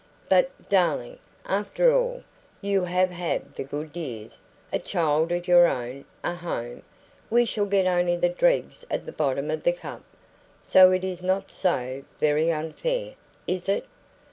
But, darling, after all, you have had the good years a child of your own a home; we shall get only the dregs at the bottom of the cup. So it is not so very unfair, is it?"